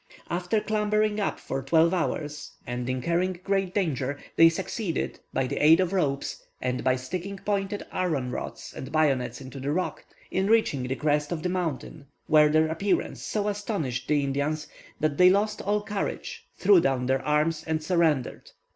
After clambering up for twelve hours, and incurring great danger, they succeeded, by the aid of ropes, and by sticking pointed iron rods and bayonets into the rock, in reaching the crest of the mountain, where their appearance so astonished the Indians, that they lost all courage, threw down their arms, and surrendered.